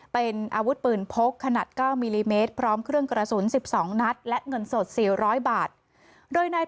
เป็นอาวุธปืนพกขนาด๙มิลลิเมตรพร้อมเครื่องกระสุน๑๒นัด